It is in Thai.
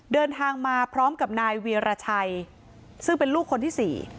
เดินทางมาพร้อมกับนายเวียรชัยซึ่งเป็นลูกคนที่๔